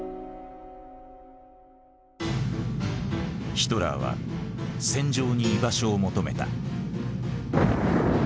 ヒトラーは戦場に居場所を求めた。